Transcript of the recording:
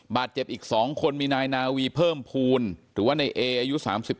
บาดเจ็บอีก๒คนมีนายนาวีเพิ่มภูมิหรือว่าในเออายุ๓๙